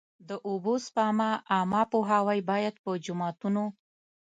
د اوبو سپما عامه پوهاوی باید په جوماتونو.